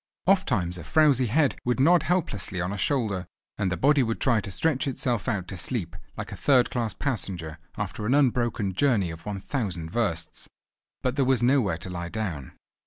Ofttimes a frowsy head would nod helplessly on a shoulder, and the body would try to stretch itself out to sleep like a third class passenger after an unbroken journey of one thousand versts, but there was nowhere to lie down.